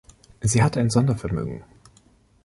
Sie hat ein Sondervermögen.